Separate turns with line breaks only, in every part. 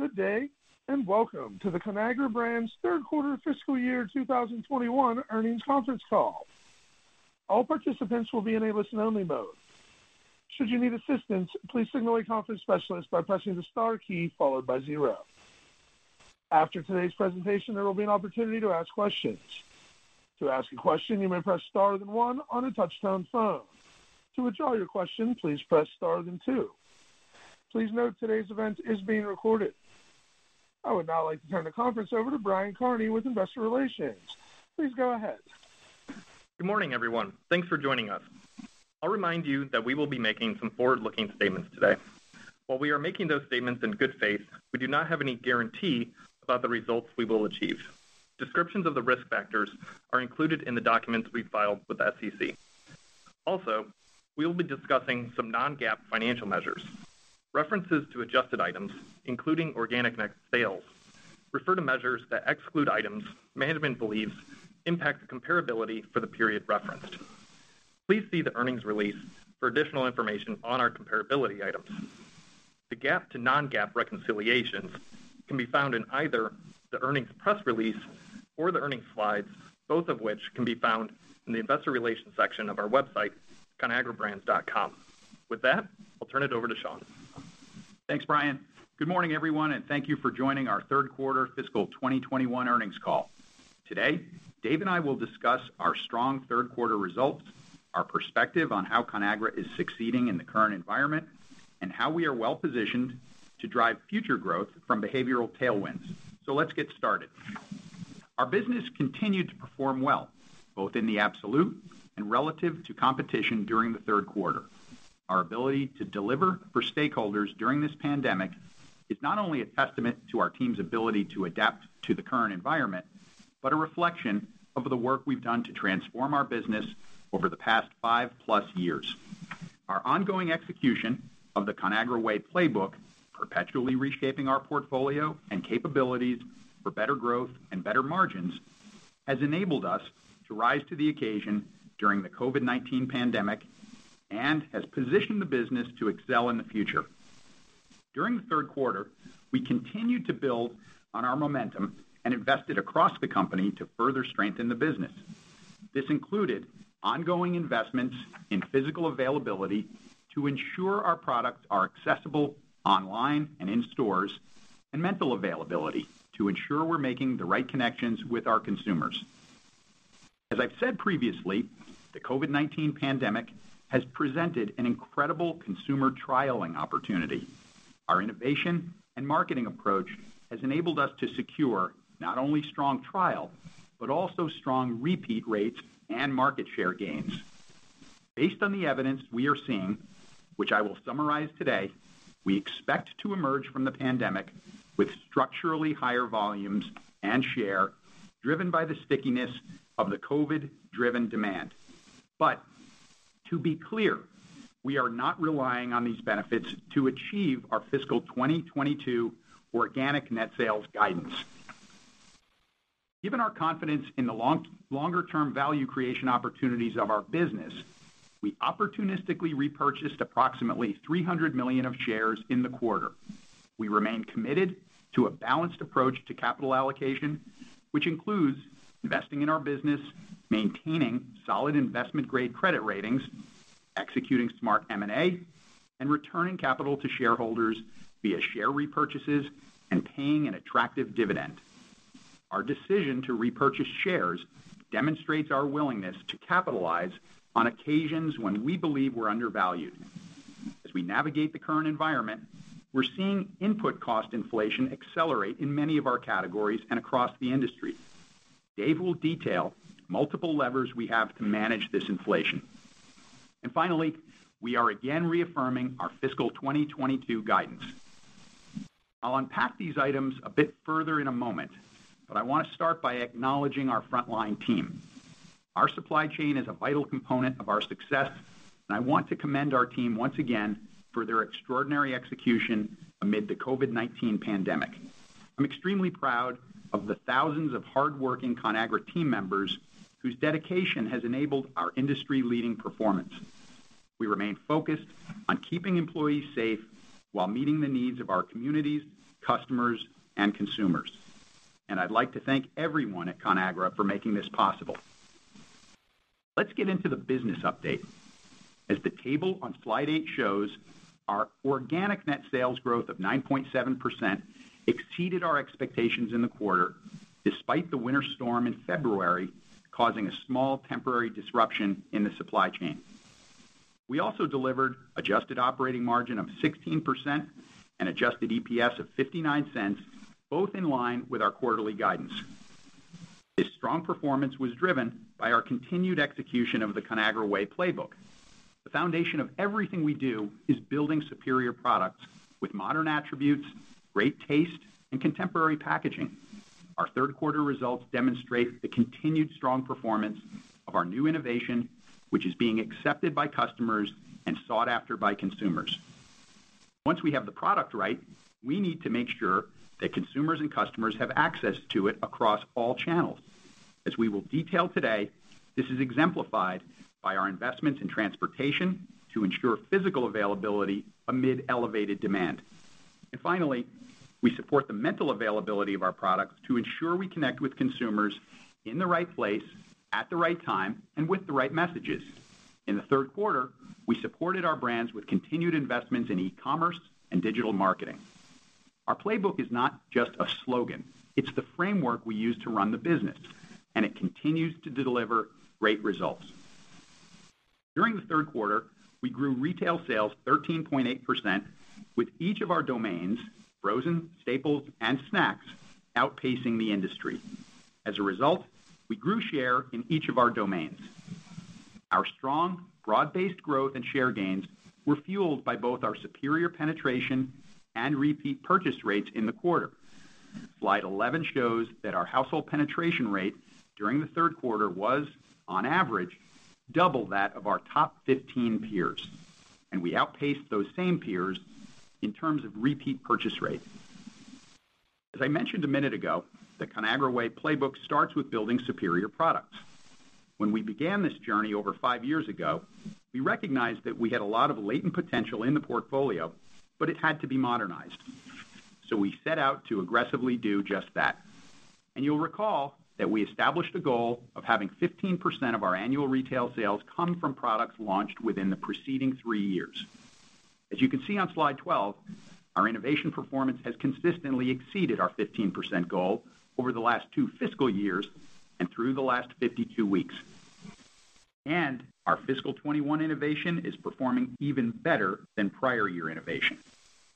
Good day, and welcome to the Conagra Brands Third Quarter Fiscal Year 2021 Earnings Conference Call. All participants will be in a listen only mode. Should you need assistance, please signal a conference specialist by pressing the star key followed by zero. After today's presentation, there will be an opportunity to ask questions. To ask a question, you may press star then one on a touch-tone phone. To withdraw your question, please press star then two. Please note today's event is being recorded. I would now like to turn the conference over to Brian Kearney with Investor Relations. Please go ahead.
Good morning, everyone. Thanks for joining us. I'll remind you that we will be making some forward-looking statements today. While we are making those statements in good faith, we do not have any guarantee about the results we will achieve. Descriptions of the risk factors are included in the documents we filed with the SEC. Also, we will be discussing some non-GAAP financial measures. References to adjusted items, including organic net sales, refer to measures that exclude items management believes impact the comparability for the period referenced. Please see the earnings release for additional information on our comparability items. The GAAP to non-GAAP reconciliations can be found in either the earnings press release or the earnings slides, both of which can be found in the Investor Relations section of our website, conagrabrands.com. With that, I'll turn it over to Sean.
Thanks, Brian. Good morning, everyone, and thank you for joining our Third Quarter Fiscal 2021 Earnings Call. Today, Dave and I will discuss our strong third quarter results, our perspective on how Conagra is succeeding in the current environment, and how we are well-positioned to drive future growth from behavioral tailwinds. Let's get started. Our business continued to perform well, both in the absolute and relative to competition during the third quarter. Our ability to deliver for stakeholders during this pandemic is not only a testament to our team's ability to adapt to the current environment, but a reflection of the work we've done to transform our business over the past five plus years. Our ongoing execution of the Conagra Way playbook, perpetually reshaping our portfolio and capabilities for better growth and better margins, has enabled us to rise to the occasion during the COVID-19 pandemic and has positioned the business to excel in the future. During the third quarter, we continued to build on our momentum and invested across the company to further strengthen the business. This included ongoing investments in physical availability to ensure our products are accessible online and in stores, and mental availability to ensure we're making the right connections with our consumers. As I've said previously, the COVID-19 pandemic has presented an incredible consumer trialing opportunity. Our innovation and marketing approach has enabled us to secure not only strong trial, but also strong repeat rates and market share gains. Based on the evidence we are seeing, which I will summarize today, we expect to emerge from the pandemic with structurally higher volumes and share driven by the stickiness of the COVID-driven demand. To be clear, we are not relying on these benefits to achieve our fiscal 2022 organic net sales guidance. Given our confidence in the longer term value creation opportunities of our business, we opportunistically repurchased approximately $300 million of shares in the quarter. We remain committed to a balanced approach to capital allocation, which includes investing in our business, maintaining solid investment-grade credit ratings, executing smart M&A, and returning capital to shareholders via share repurchases and paying an attractive dividend. Our decision to repurchase shares demonstrates our willingness to capitalize on occasions when we believe we're undervalued. As we navigate the current environment, we're seeing input cost inflation accelerate in many of our categories and across the industry. Dave will detail multiple levers we have to manage this inflation. Finally, we are again reaffirming our fiscal 2022 guidance. I'll unpack these items a bit further in a moment, but I want to start by acknowledging our frontline team. Our supply chain is a vital component of our success, and I want to commend our team once again for their extraordinary execution amid the COVID-19 pandemic. I'm extremely proud of the thousands of hardworking Conagra team members whose dedication has enabled our industry leading performance. We remain focused on keeping employees safe while meeting the needs of our communities, customers, and consumers. I'd like to thank everyone at Conagra for making this possible. Let's get into the business update. As the table on slide eight shows, our organic net sales growth of 9.7% exceeded our expectations in the quarter, despite the winter storm in February causing a small temporary disruption in the supply chain. We also delivered adjusted operating margin of 16% and adjusted EPS of $0.59, both in line with our quarterly guidance. This strong performance was driven by our continued execution of the Conagra Way playbook. The foundation of everything we do is building superior products with modern attributes, great taste, and contemporary packaging. Our third quarter results demonstrate the continued strong performance of our new innovation, which is being accepted by customers and sought after by consumers. Once we have the product right, we need to make sure that consumers and customers have access to it across all channels. As we will detail today, this is exemplified by our investments in transportation to ensure physical availability amid elevated demand. Finally, we support the mental availability of our products to ensure we connect with consumers in the right place, at the right time, and with the right messages. In the third quarter, we supported our brands with continued investments in e-commerce and digital marketing. Our playbook is not just a slogan, it's the framework we use to run the business, and it continues to deliver great results. During the third quarter, we grew retail sales 13.8% with each of our domains, frozen, staples, and snacks, outpacing the industry. As a result, we grew share in each of our domains. Our strong, broad-based growth and share gains were fueled by both our superior penetration and repeat purchase rates in the quarter. Slide 11 shows that our household penetration rate during the third quarter was on average, double that of our top 15 peers, and we outpaced those same peers in terms of repeat purchase rates. As I mentioned a minute ago, the Conagra Way playbook starts with building superior products. When we began this journey over five years ago, we recognized that we had a lot of latent potential in the portfolio, but it had to be modernized. We set out to aggressively do just that. You'll recall that we established a goal of having 15% of our annual retail sales come from products launched within the preceding three years. As you can see on slide 12, our innovation performance has consistently exceeded our 15% goal over the last two fiscal years and through the last 52 weeks. Our fiscal 2021 innovation is performing even better than prior year innovation.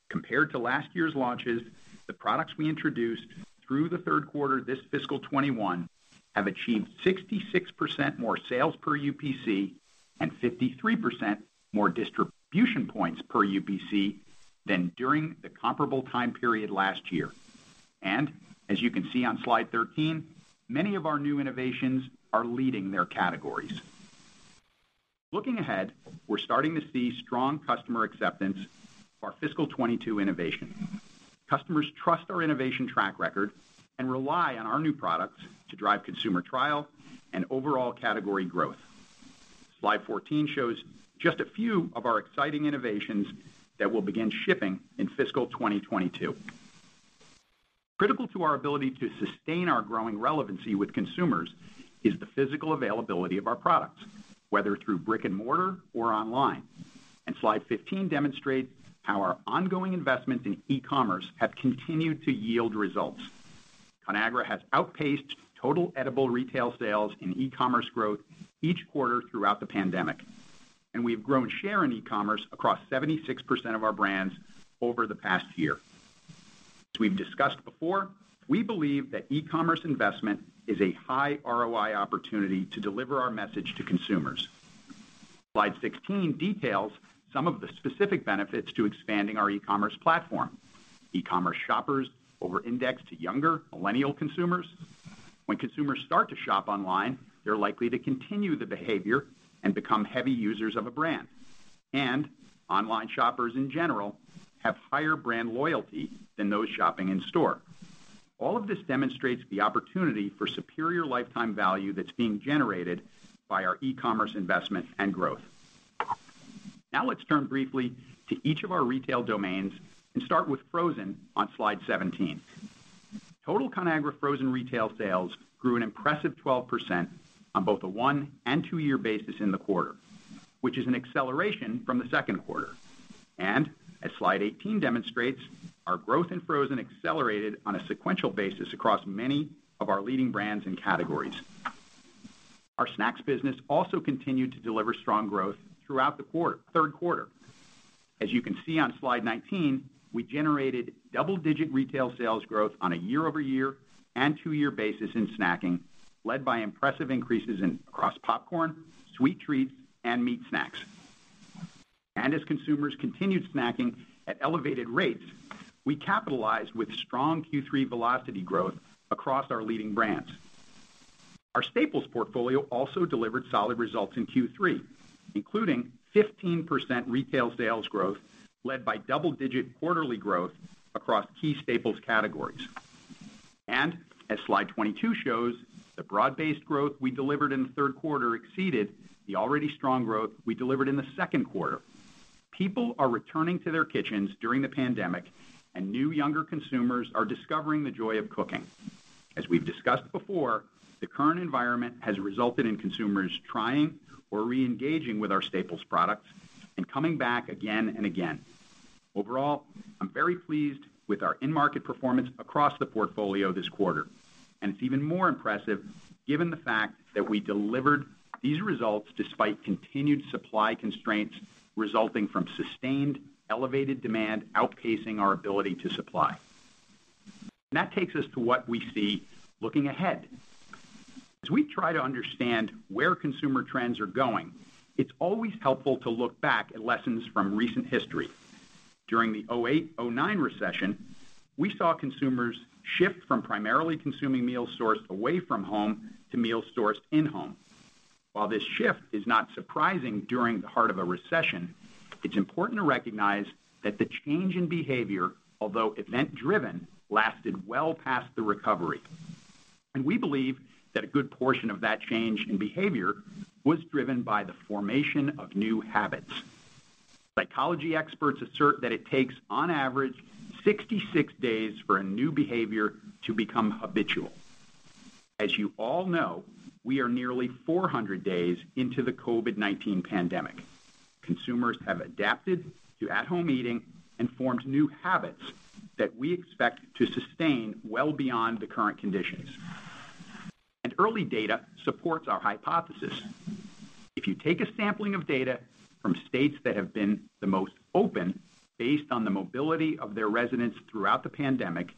Compared to last year's launches, the products we introduced through the third quarter this fiscal 2021 have achieved 66% more sales per UPC and 53% more distribution points per UPC than during the comparable time period last year. As you can see on slide 13, many of our new innovations are leading their categories. Looking ahead, we're starting to see strong customer acceptance for our fiscal 2022 innovation. Customers trust our innovation track record and rely on our new products to drive consumer trial and overall category growth. Slide 14 shows just a few of our exciting innovations that will begin shipping in fiscal 2022. Critical to our ability to sustain our growing relevancy with consumers is the physical availability of our products, whether through brick and mortar or online. Slide 15 demonstrates how our ongoing investments in e-commerce have continued to yield results. Conagra has outpaced total edible retail sales in e-commerce growth each quarter throughout the pandemic, and we have grown share in e-commerce across 76% of our brands over the past year. As we've discussed before, we believe that e-commerce investment is a high ROI opportunity to deliver our message to consumers. Slide 16 details some of the specific benefits to expanding our e-commerce platform. E-commerce shoppers over-index to younger Millennial consumers. When consumers start to shop online, they're likely to continue the behavior and become heavy users of a brand. Online shoppers in general have higher brand loyalty than those shopping in store. All of this demonstrates the opportunity for superior lifetime value that's being generated by our e-commerce investment and growth. Let's turn briefly to each of our retail domains and start with frozen on slide 17. Total Conagra frozen retail sales grew an impressive 12% on both a one and two-year basis in the quarter, which is an acceleration from the second quarter. As slide 18 demonstrates, our growth in frozen accelerated on a sequential basis across many of our leading brands and categories. Our snacks business also continued to deliver strong growth throughout the third quarter. As you can see on slide 19, we generated double-digit retail sales growth on a year-over-year and two-year basis in snacking, led by impressive increases across popcorn, sweet treats, and meat snacks. As consumers continued snacking at elevated rates, we capitalized with strong Q3 velocity growth across our leading brands. Our staples portfolio also delivered solid results in Q3, including 15% retail sales growth led by double-digit quarterly growth across key staples categories. As slide 22 shows, the broad-based growth we delivered in the third quarter exceeded the already strong growth we delivered in the second quarter. People are returning to their kitchens during the pandemic, and new younger consumers are discovering the joy of cooking. As we've discussed before, the current environment has resulted in consumers trying or re-engaging with our staples products and coming back again and again. Overall, I'm very pleased with our in-market performance across the portfolio this quarter, and it's even more impressive given the fact that we delivered these results despite continued supply constraints resulting from sustained elevated demand outpacing our ability to supply. That takes us to what we see looking ahead. As we try to understand where consumer trends are going, it's always helpful to look back at lessons from recent history. During the 2008, 2009 recession, we saw consumers shift from primarily consuming meals sourced away from home to meals sourced in-home. While this shift is not surprising during the heart of a recession, it's important to recognize that the change in behavior, although event driven, lasted well past the recovery. We believe that a good portion of that change in behavior was driven by the formation of new habits. Psychology experts assert that it takes, on average, 66 days for a new behavior to become habitual. As you all know, we are nearly 400 days into the COVID-19 pandemic. Consumers have adapted to at-home eating and formed new habits that we expect to sustain well beyond the current conditions. Early data supports our hypothesis. If you take a sampling of data from states that have been the most open based on the mobility of their residents throughout the pandemic,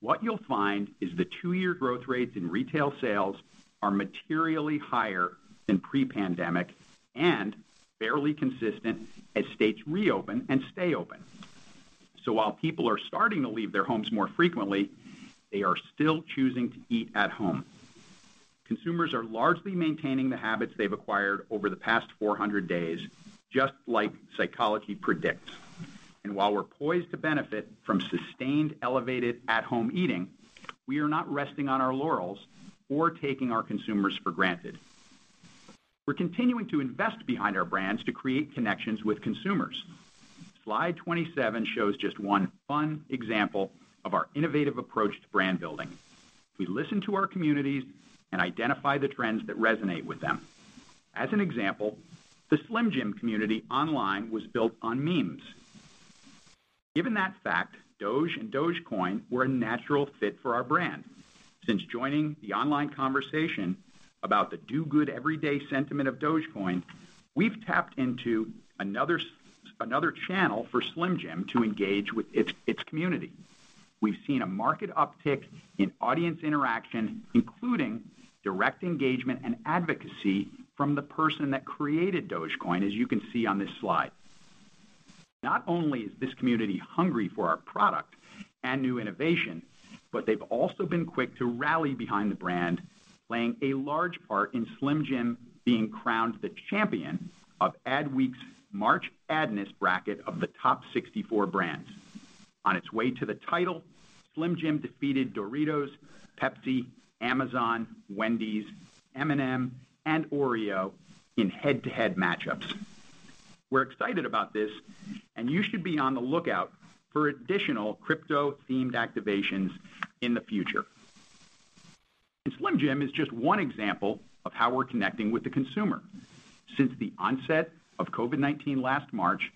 what you'll find is the two-year growth rates in retail sales are materially higher than pre-pandemic and fairly consistent as states reopen and stay open. While people are starting to leave their homes more frequently, they are still choosing to eat at home. Consumers are largely maintaining the habits they've acquired over the past 400 days, just like psychology predicts. While we're poised to benefit from sustained, elevated at-home eating, we are not resting on our laurels or taking our consumers for granted. We're continuing to invest behind our brands to create connections with consumers. Slide 27 shows just one fun example of our innovative approach to brand building. We listen to our communities and identify the trends that resonate with them. As an example, the Slim Jim community online was built on memes. Given that fact, Doge and Dogecoin were a natural fit for our brand. Since joining the online conversation about the do-good-every-day sentiment of Dogecoin, we've tapped into another channel for Slim Jim to engage with its community. We've seen a market uptick in audience interaction, including direct engagement and advocacy from the person that created Dogecoin, as you can see on this slide. Not only is this community hungry for our product and new innovation, but they've also been quick to rally behind the brand, playing a large part in Slim Jim being crowned the champion of Adweek's March Adness bracket of the top 64 brands. On its way to the title, Slim Jim defeated Doritos, Pepsi, Amazon, Wendy's, M&M, and Oreo in head-to-head match-ups. We're excited about this, you should be on the lookout for additional crypto-themed activations in the future. Slim Jim is just one example of how we're connecting with the consumer. Since the onset of COVID-19 last March,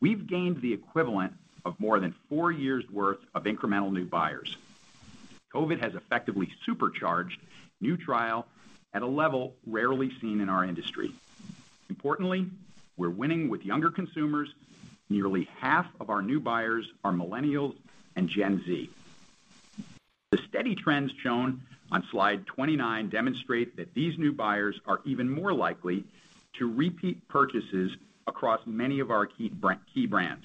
we've gained the equivalent of more than four years worth of incremental new buyers. COVID has effectively supercharged new trial at a level rarely seen in our industry. Importantly, we're winning with younger consumers. Nearly half of our new buyers are Millennials and Gen Z. The steady trends shown on slide 29 demonstrate that these new buyers are even more likely to repeat purchases across many of our key brands.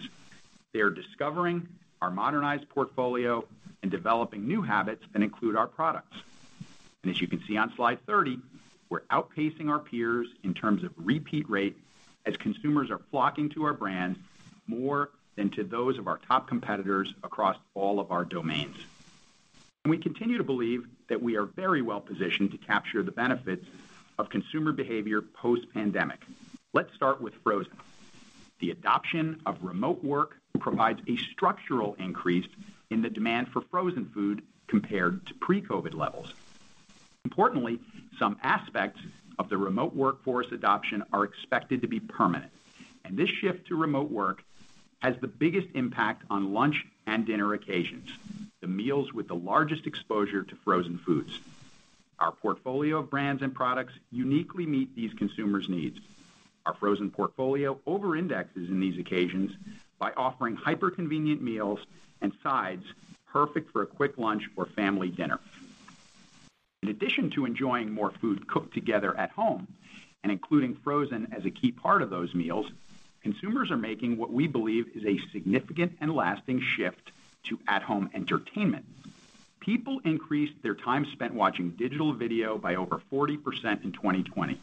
They are discovering our modernized portfolio and developing new habits that include our products. As you can see on slide 30, we're outpacing our peers in terms of repeat rate as consumers are flocking to our brands more than to those of our top competitors across all of our domains. We continue to believe that we are very well positioned to capture the benefits of consumer behavior post-pandemic. Let's start with frozen. The adoption of remote work provides a structural increase in the demand for frozen food compared to pre-COVID levels. Importantly, some aspects of the remote workforce adoption are expected to be permanent, and this shift to remote work has the biggest impact on lunch and dinner occasions, the meals with the largest exposure to frozen foods. Our portfolio of brands and products uniquely meet these consumers' needs. Our frozen portfolio over-indexes in these occasions by offering hyper-convenient meals and sides perfect for a quick lunch or family dinner. In addition to enjoying more food cooked together at home, and including frozen as a key part of those meals, consumers are making what we believe is a significant and lasting shift to at-home entertainment. People increased their time spent watching digital video by over 40% in 2020.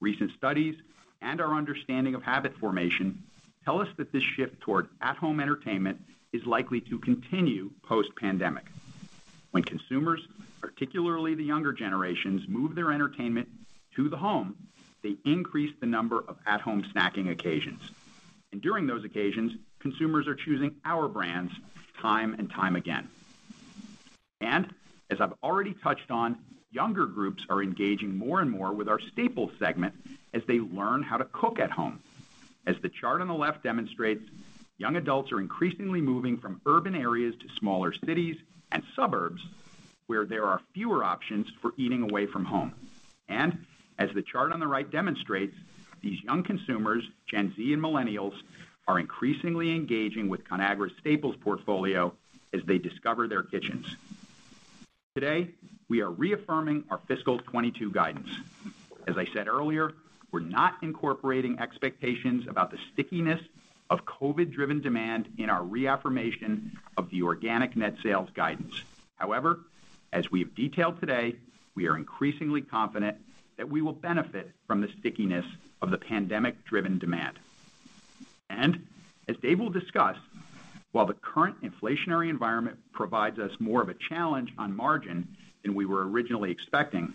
Recent studies and our understanding of habit formation tell us that this shift toward at-home entertainment is likely to continue post pandemic. When consumers, particularly the younger generations, move their entertainment to the home, they increase the number of at-home snacking occasions. During those occasions, consumers are choosing our brands time and time again. As I've already touched on, younger groups are engaging more and more with our Staples segment as they learn how to cook at home. As the chart on the left demonstrates, young adults are increasingly moving from urban areas to smaller cities and suburbs, where there are fewer options for eating away from home. As the chart on the right demonstrates, these young consumers, Gen Z and Millennials, are increasingly engaging with Conagra Staples portfolio as they discover their kitchens. Today, we are reaffirming our fiscal 2022 guidance. As I said earlier, we're not incorporating expectations about the stickiness of COVID-19 driven demand in our reaffirmation of the organic net sales guidance. However, as we have detailed today, we are increasingly confident that we will benefit from the stickiness of the pandemic-driven demand. As Dave will discuss, while the current inflationary environment provides us more of a challenge on margin than we were originally expecting,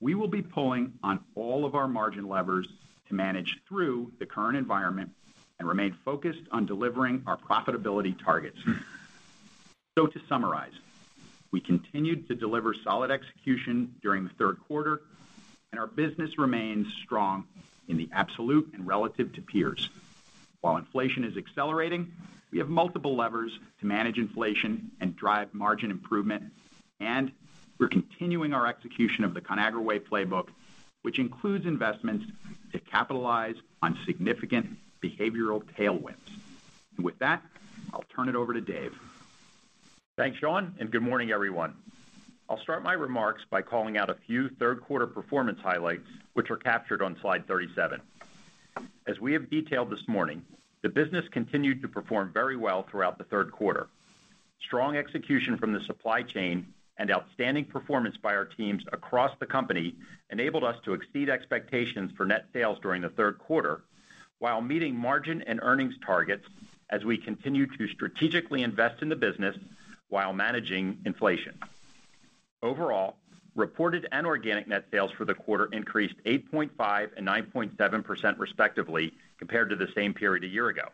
we will be pulling on all of our margin levers to manage through the current environment and remain focused on delivering our profitability targets. To summarize, we continued to deliver solid execution during the third quarter, and our business remains strong in the absolute and relative to peers. While inflation is accelerating, we have multiple levers to manage inflation and drive margin improvement, and we're continuing our execution of the Conagra Way playbook, which includes investments to capitalize on significant behavioral tailwinds. With that, I'll turn it over to Dave.
Thanks, Sean. Good morning, everyone. I'll start my remarks by calling out a few third quarter performance highlights, which are captured on slide 37. As we have detailed this morning, the business continued to perform very well throughout the third quarter. Strong execution from the supply chain and outstanding performance by our teams across the company enabled us to exceed expectations for net sales during the third quarter while meeting margin and earnings targets as we continue to strategically invest in the business while managing inflation. Overall, reported and organic net sales for the quarter increased 8.5% and 9.7% respectively, compared to the same period a year ago.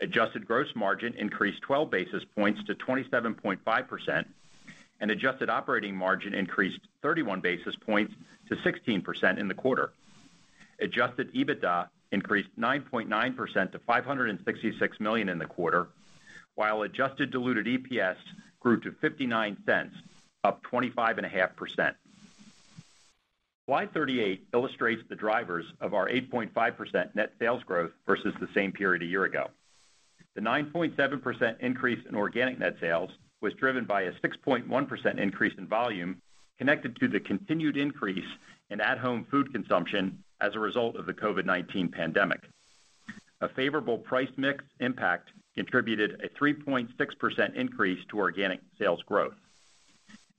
Adjusted gross margin increased 12 basis points to 27.5%, and adjusted operating margin increased 31 basis points to 16% in the quarter. Adjusted EBITDA increased 9.9% to $566 million in the quarter, while adjusted diluted EPS grew to $0.59, up 25.5%. Slide 38 illustrates the drivers of our 8.5% net sales growth versus the same period a year ago. The 9.7% increase in organic net sales was driven by a 6.1% increase in volume connected to the continued increase in at-home food consumption as a result of the COVID-19 pandemic. A favorable price mix impact contributed a 3.6% increase to organic sales growth.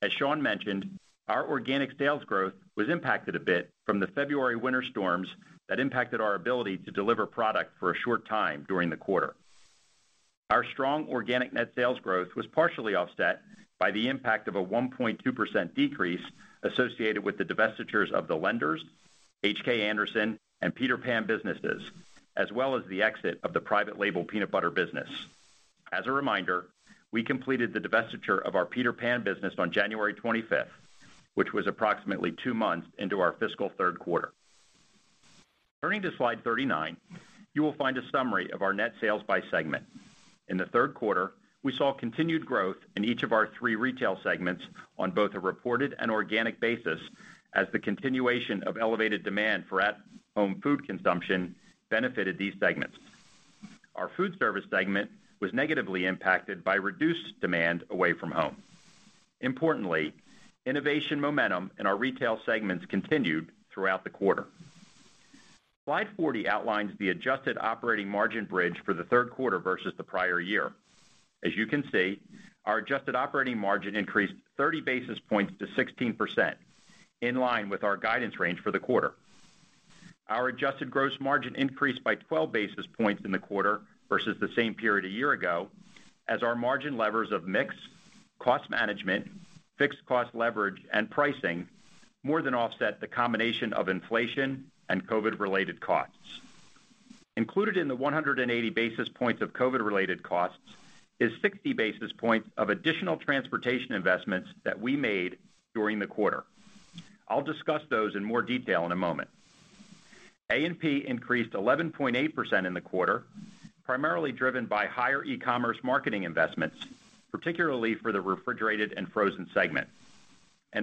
As Sean mentioned, our organic sales growth was impacted a bit from the February winter storms that impacted our ability to deliver product for a short time during the quarter. Our strong organic net sales growth was partially offset by the impact of a 1.2% decrease associated with the divestitures of the Lender's, H.K. Anderson, and Peter Pan businesses, as well as the exit of the private label peanut butter business. As a reminder, we completed the divestiture of our Peter Pan business on January 25th, which was approximately two months into our fiscal third quarter. Turning to slide 39, you will find a summary of our net sales by segment. In the third quarter, we saw continued growth in each of our three retail segments on both a reported and organic basis as the continuation of elevated demand for at-home food consumption benefited these segments. Our food service segment was negatively impacted by reduced demand away from home. Importantly, innovation momentum in our retail segments continued throughout the quarter. Slide 40 outlines the adjusted operating margin bridge for the third quarter versus the prior year. As you can see, our adjusted operating margin increased 30 basis points to 16%, in line with our guidance range for the quarter. Our adjusted gross margin increased by 12 basis points in the quarter versus the same period a year ago as our margin levers of mix, cost management, fixed cost leverage, and pricing more than offset the combination of inflation and COVID-related costs. Included in the 180 basis points of COVID-related costs is 60 basis points of additional transportation investments that we made during the quarter. I'll discuss those in more detail in a moment. A&P increased 11.8% in the quarter, primarily driven by higher e-commerce marketing investments, particularly for the refrigerated and frozen segment.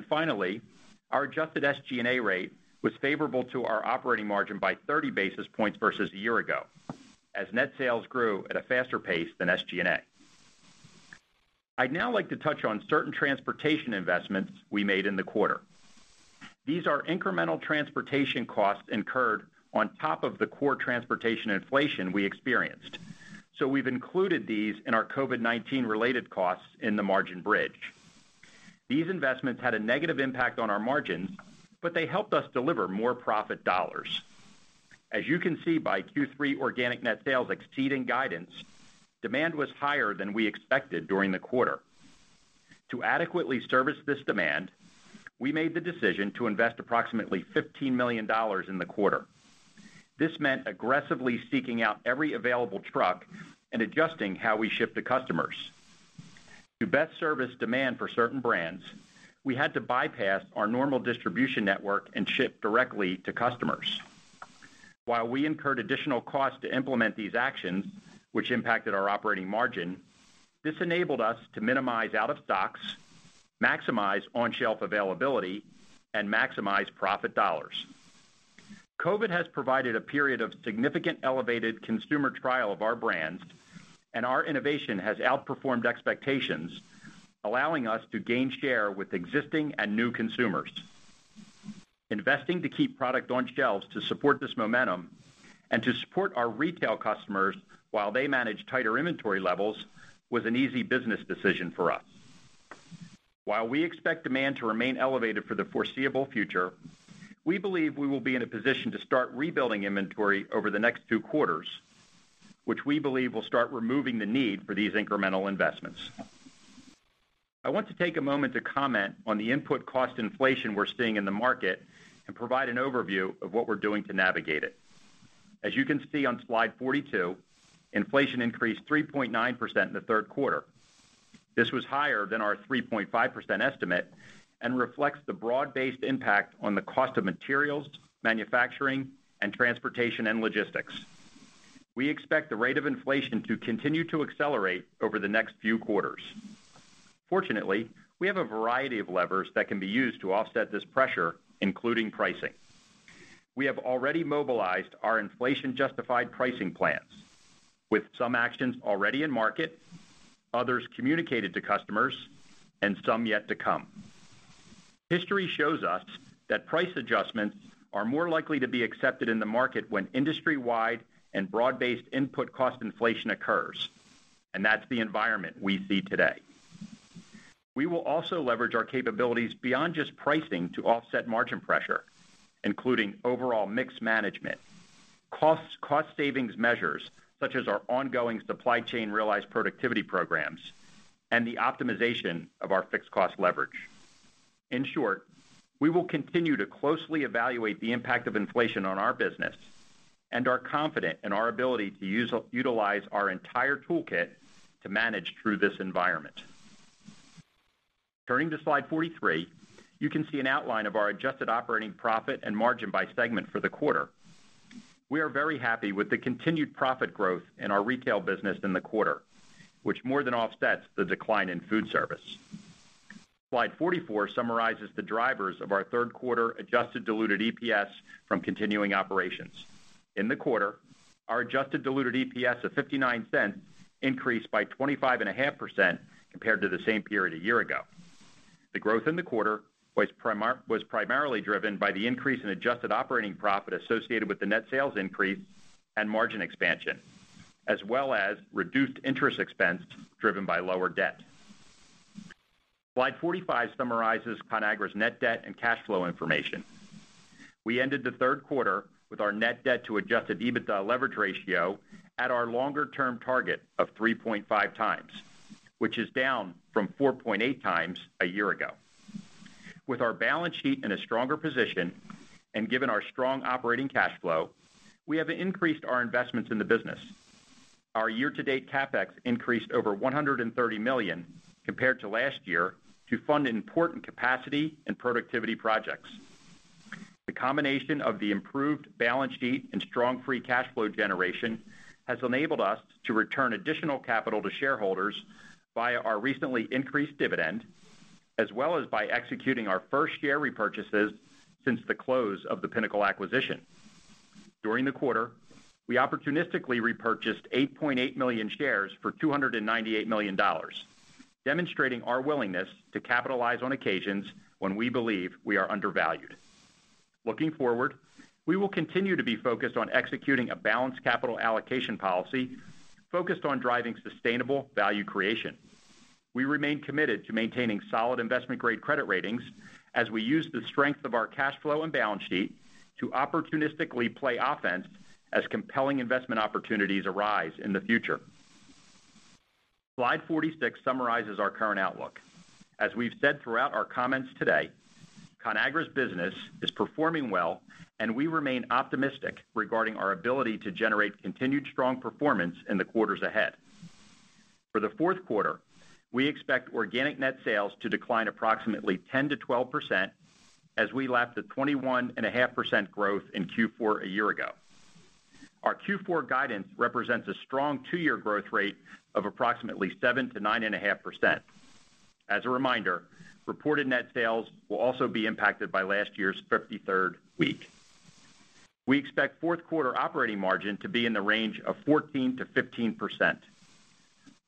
Finally, our adjusted SG&A rate was favorable to our operating margin by 30 basis points versus a year ago as net sales grew at a faster pace than SG&A. I'd now like to touch on certain transportation investments we made in the quarter. These are incremental transportation costs incurred on top of the core transportation inflation we experienced. We've included these in our COVID-19 related costs in the margin bridge. These investments had a negative impact on our margins, but they helped us deliver more profit dollars. As you can see by Q3 organic net sales exceeding guidance, demand was higher than we expected during the quarter. To adequately service this demand, we made the decision to invest approximately $15 million in the quarter. This meant aggressively seeking out every available truck and adjusting how we ship to customers. To best service demand for certain brands, we had to bypass our normal distribution network and ship directly to customers. While we incurred additional costs to implement these actions, which impacted our operating margin, this enabled us to minimize out of stocks, maximize on-shelf availability, and maximize profit dollars. COVID-19 has provided a period of significant elevated consumer trial of our brands, and our innovation has outperformed expectations, allowing us to gain share with existing and new consumers. Investing to keep product on shelves to support this momentum and to support our retail customers while they manage tighter inventory levels was an easy business decision for us. While we expect demand to remain elevated for the foreseeable future, we believe we will be in a position to start rebuilding inventory over the next two quarters, which we believe will start removing the need for these incremental investments. I want to take a moment to comment on the input cost inflation we're seeing in the market and provide an overview of what we're doing to navigate it. As you can see on slide 42, inflation increased 3.9% in the third quarter. This was higher than our 3.5% estimate and reflects the broad-based impact on the cost of materials, manufacturing, and transportation, and logistics. We expect the rate of inflation to continue to accelerate over the next few quarters. Fortunately, we have a variety of levers that can be used to offset this pressure, including pricing. We have already mobilized our inflation-justified pricing plans, with some actions already in market, others communicated to customers, and some yet to come. History shows us that price adjustments are more likely to be accepted in the market when industry-wide and broad-based input cost inflation occurs, and that's the environment we see today. We will also leverage our capabilities beyond just pricing to offset margin pressure, including overall mix management, cost savings measures, such as our ongoing supply chain realized productivity programs, and the optimization of our fixed cost leverage. In short, we will continue to closely evaluate the impact of inflation on our business and are confident in our ability to utilize our entire toolkit to manage through this environment. Turning to slide 43, you can see an outline of our adjusted operating profit and margin by segment for the quarter. We are very happy with the continued profit growth in our retail business in the quarter, which more than offsets the decline in food service. Slide 44 summarizes the drivers of our third quarter adjusted diluted EPS from continuing operations. In the quarter, our adjusted diluted EPS of $0.59 increased by 25.5% compared to the same period a year ago. The growth in the quarter was primarily driven by the increase in adjusted operating profit associated with the net sales increase and margin expansion, as well as reduced interest expense driven by lower debt. Slide 45 summarizes Conagra's net debt and cash flow information. We ended the third quarter with our net debt to adjusted EBITDA leverage ratio at our longer-term target of 3.5 times, which is down from 4.8 times a year ago. With our balance sheet in a stronger position and given our strong operating cash flow, we have increased our investments in the business. Our year-to-date CapEx increased over $130 million compared to last year to fund important capacity and productivity projects. The combination of the improved balance sheet and strong free cash flow generation has enabled us to return additional capital to shareholders via our recently increased dividend, as well as by executing our first share repurchases since the close of the Pinnacle acquisition. During the quarter, we opportunistically repurchased 8.8 million shares for $298 million, demonstrating our willingness to capitalize on occasions when we believe we are undervalued. Looking forward, we will continue to be focused on executing a balanced capital allocation policy focused on driving sustainable value creation. We remain committed to maintaining solid investment-grade credit ratings as we use the strength of our cash flow and balance sheet to opportunistically play offense as compelling investment opportunities arise in the future. Slide 46 summarizes our current outlook. As we've said throughout our comments today, Conagra's business is performing well, and we remain optimistic regarding our ability to generate continued strong performance in the quarters ahead. For the fourth quarter, we expect organic net sales to decline approximately 10%-12% as we lap the 21.5% growth in Q4 a year ago. Our Q4 guidance represents a strong two-year growth rate of approximately 7%-9.5%. As a reminder, reported net sales will also be impacted by last year's 53rd week. We expect fourth quarter operating margin to be in the range of 14%-15%.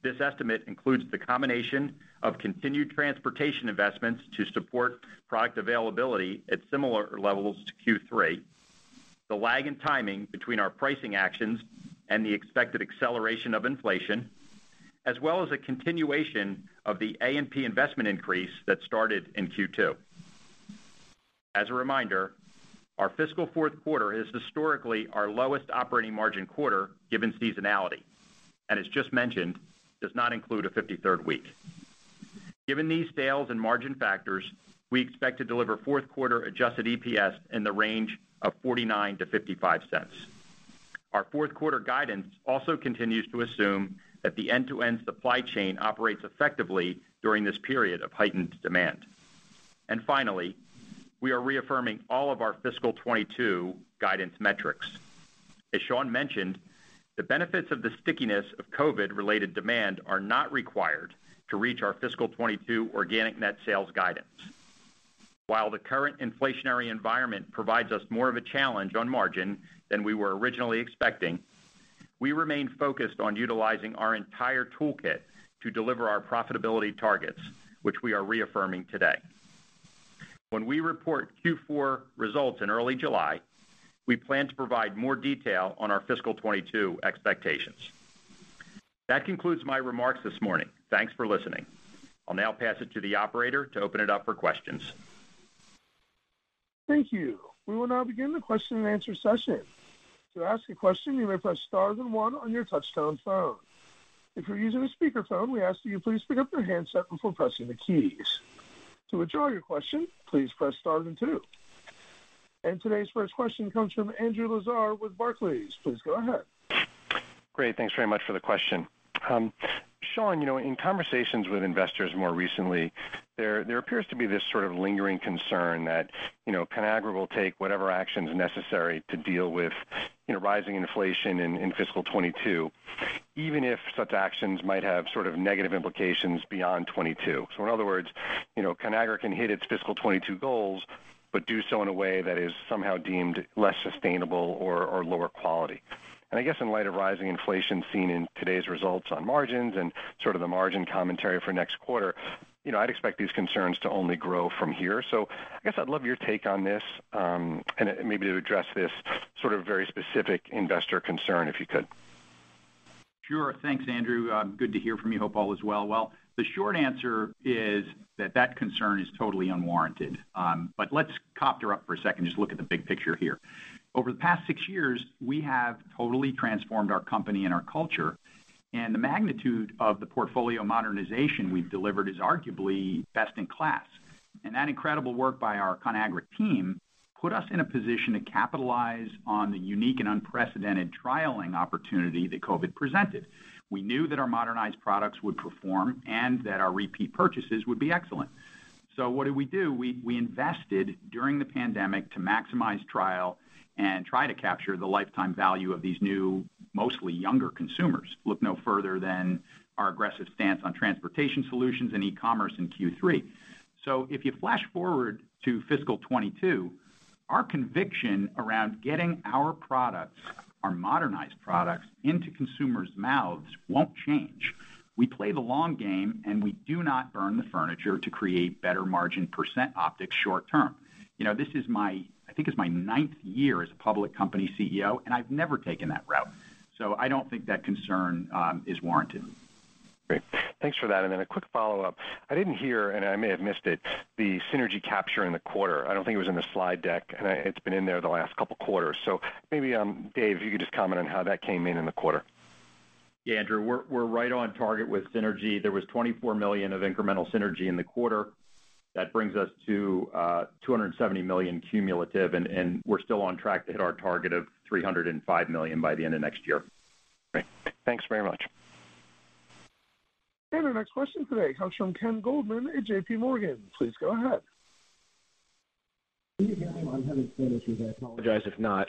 This estimate includes the combination of continued transportation investments to support product availability at similar levels to Q3, the lag in timing between our pricing actions, and the expected acceleration of inflation, as well as a continuation of the A&P investment increase that started in Q2. As a reminder, our fiscal fourth quarter is historically our lowest operating margin quarter given seasonality, and as just mentioned, does not include a 53rd week. Given these sales and margin factors, we expect to deliver fourth quarter adjusted EPS in the range of $0.49-$0.55. Our fourth quarter guidance also continues to assume that the end-to-end supply chain operates effectively during this period of heightened demand. Finally, we are reaffirming all of our fiscal 2022 guidance metrics. As Sean mentioned, the benefits of the stickiness of COVID-related demand are not required to reach our fiscal 2022 organic net sales guidance. While the current inflationary environment provides us more of a challenge on margin than we were originally expecting. We remain focused on utilizing our entire toolkit to deliver our profitability targets, which we are reaffirming today. When we report Q4 results in early July, we plan to provide more detail on our fiscal 2022 expectations. That concludes my remarks this morning. Thanks for listening. I'll now pass it to the operator to open it up for questions.
Thank you. We will now begin the question and answer session, to ask a question you may press star then one on your touchtone, if you are using a speaker set we ask please pick up your handset before pressing the keys, to withdraw your question press star then two. Today's first question comes from Andrew Lazar with Barclays. Please go ahead.
Great. Thanks very much for the question. Sean, in conversations with investors more recently, there appears to be this sort of lingering concern that Conagra will take whatever actions necessary to deal with rising inflation in fiscal 2022, even if such actions might have sort of negative implications beyond 2022. In other words, Conagra can hit its fiscal 2022 goals, but do so in a way that is somehow deemed less sustainable or lower quality. I guess in light of rising inflation seen in today's results on margins and sort of the margin commentary for next quarter, I'd expect these concerns to only grow from here. I guess I'd love your take on this, and maybe to address this sort of very specific investor concern, if you could.
Sure. Thanks, Andrew. Good to hear from you. Hope all is well. Well, the short answer is that that concern is totally unwarranted. Let's copter up for a second and just look at the big picture here. Over the past six years, we have totally transformed our company and our culture, and the magnitude of the portfolio modernization we've delivered is arguably best in class. That incredible work by our Conagra team put us in a position to capitalize on the unique and unprecedented trialing opportunity that COVID-19 presented. We knew that our modernized products would perform and that our repeat purchases would be excellent. What did we do? We invested during the pandemic to maximize trial and try to capture the lifetime value of these new, mostly younger consumers. Look no further than our aggressive stance on transportation solutions and e-commerce in Q3. If you flash forward to fiscal 2022, our conviction around getting our products, our modernized products, into consumers' mouths won't change. We play the long game, and we do not burn the furniture to create better margin percent optics short term. This is my, I think it's my ninth year as a public company CEO, and I've never taken that route. I don't think that concern is warranted.
Great. Thanks for that. A quick follow-up. I didn't hear, and I may have missed it, the synergy capture in the quarter. I don't think it was in the slide deck, and it's been in there the last couple quarters. Maybe, Dave, you could just comment on how that came in in the quarter.
Yeah, Andrew, we're right on target with synergy. There was $24 million of incremental synergy in the quarter. That brings us to $270 million cumulative. We're still on track to hit our target of $305 million by the end of next year.
Great. Thanks very much.
Our next question today comes from Ken Goldman at JPMorgan. Please go ahead.
Can you hear me? I haven't finished yet. I apologize if not.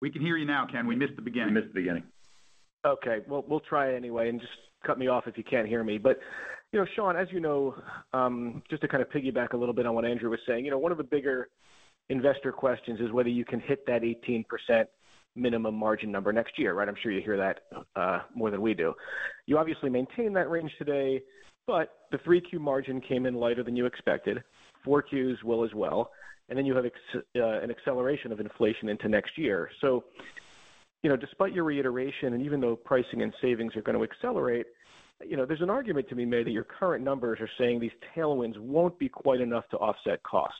We can hear you now, Ken. We missed the beginning.
We missed the beginning.
Okay. Well, we'll try anyway, and just cut me off if you can't hear me. Sean, as you know, just to kind of piggyback a little bit on what Andrew was saying, one of the bigger investor questions is whether you can hit that 18% minimum margin number next year, right? I'm sure you hear that more than we do. You obviously maintain that range today, the 3Q margin came in lighter than you expected. 4Q's will as well. You have an acceleration of inflation into next year. Despite your reiteration and even though pricing and savings are going to accelerate, there's an argument to be made that your current numbers are saying these tailwinds won't be quite enough to offset costs.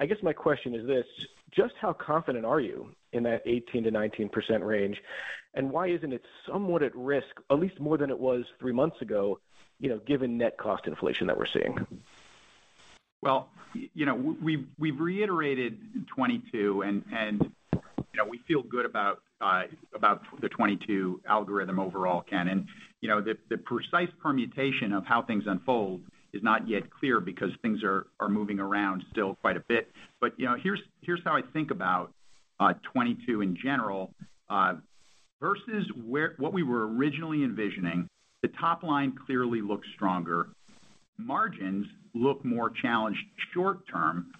I guess my question is this, just how confident are you in that 18%-19% range, and why isn't it somewhat at risk, at least more than it was three months ago, given net cost inflation that we're seeing?
Well, we've reiterated 2022, and we feel good about the 2022 algorithm overall, Ken, and the precise permutation of how things unfold is not yet clear because things are moving around still quite a bit. Here's how I think about 2022 in general. Versus what we were originally envisioning, the top line clearly looks stronger. Margins look more challenged short term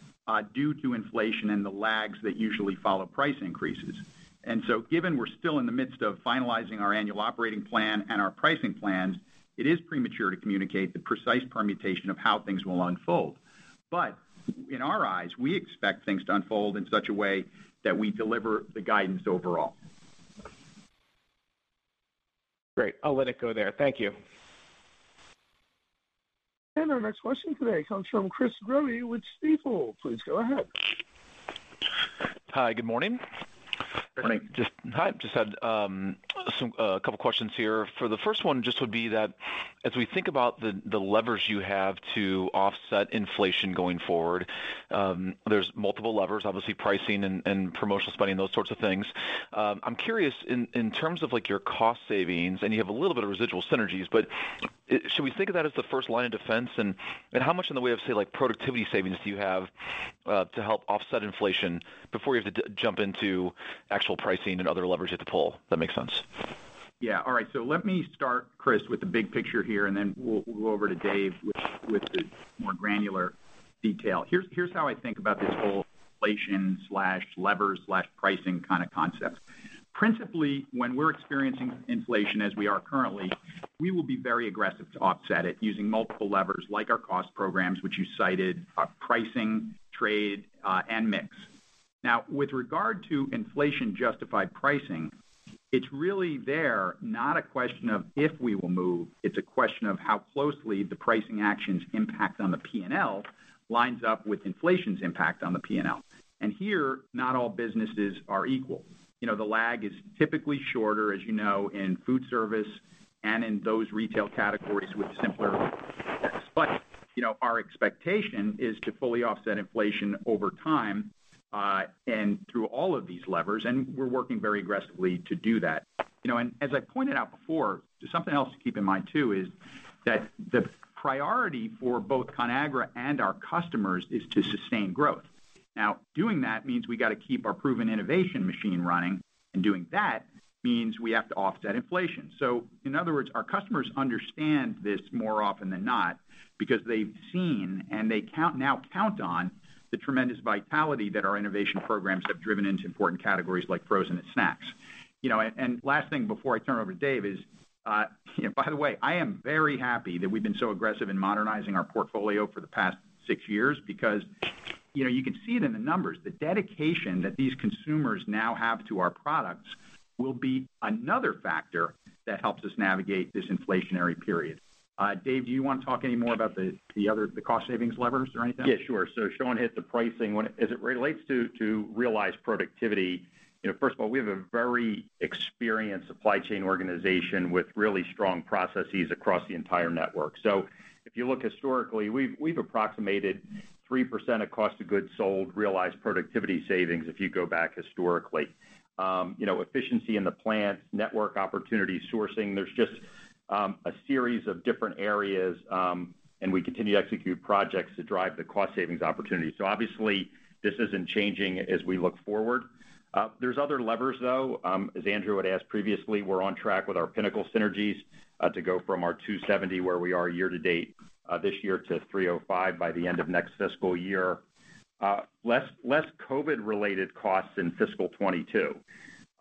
due to inflation and the lags that usually follow price increases. Given we're still in the midst of finalizing our annual operating plan and our pricing plans, it is premature to communicate the precise permutation of how things will unfold. In our eyes, we expect things to unfold in such a way that we deliver the guidance overall.
Great. I'll let it go there. Thank you.
Our next question today comes from Chris Growe with Stifel. Please go ahead.
Hi, good morning.
Morning.
Hi. Just had a couple questions here. For the first one just would be that as we think about the levers you have to offset inflation going forward, there's multiple levers, obviously pricing and promotional spending, those sorts of things. I'm curious in terms of your cost savings, and you have a little bit of residual synergies, but should we think of that as the first line of defense? And how much in the way of, say, productivity savings do you have to help offset inflation before you have to jump into actual pricing and other levers to pull, if that makes sense?
Yeah. All right, let me start, Chris, with the big picture here, and then we'll go over to Dave with the more granular detail. Here's how I think about this whole inflation/levers/pricing kind of concept. Principally, when we're experiencing inflation as we are currently, we will be very aggressive to offset it using multiple levers like our cost programs, which you cited, our pricing, trade, and mix. Now, with regard to inflation-justified pricing, it's really there, not a question of if we will move, it's a question of how closely the pricing actions impact on the P&L lines up with inflation's impact on the P&L. Here, not all businesses are equal. The lag is typically shorter, as you know, in food service and in those retail categories. Our expectation is to fully offset inflation over time, and through all of these levers, and we're working very aggressively to do that. As I pointed out before, something else to keep in mind too is that the priority for both Conagra and our customers is to sustain growth. Now, doing that means we got to keep our proven innovation machine running, and doing that means we have to offset inflation. In other words, our customers understand this more often than not because they've seen and they now count on the tremendous vitality that our innovation programs have driven into important categories like frozen and snacks. Last thing before I turn over to Dave is, by the way, I am very happy that we've been so aggressive in modernizing our portfolio for the past six years, because you can see it in the numbers. The dedication that these consumers now have to our products will be another factor that helps us navigate this inflationary period. Dave, do you want to talk any more about the other cost savings levers or anything?
Yeah, sure. Sean hit the pricing one. As it relates to realized productivity, first of all, we have a very experienced supply chain organization with really strong processes across the entire network. If you look historically, we've approximated 3% of cost of goods sold, realized productivity savings if you go back historically. Efficiency in the plants, network opportunity sourcing, there's just a series of different areas, and we continue to execute projects to drive the cost savings opportunity. Obviously, this isn't changing as we look forward. There's other levers, though. As Andrew had asked previously, we're on track with our Pinnacle synergies, to go from our $270, where we are year to date this year, to $305 by the end of next fiscal year. Less COVID-related costs in fiscal